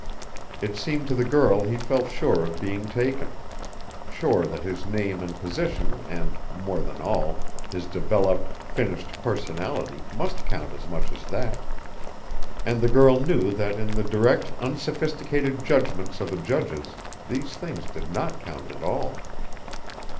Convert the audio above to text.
It seemed to the girl he felt sure of being taken; sure that his name and position and, more than all, his developed, finished personality must count as much as that. And the girl knew that in the direct, unsophisticated judgments of the judges these things did not count at all.